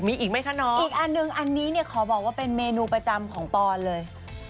มีอีกไหมคะน้องอีกอันนึงอันนี้เนี่ยขอบอกว่าเป็นเมนูประจำของปอนเลย